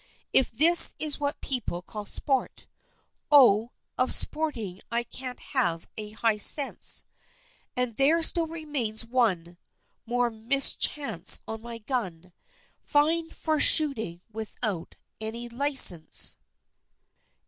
If this is what people call sport, Oh! of sporting I can't have a high sense; And there still remains one More mischance on my gun "Fined for shooting without any licence."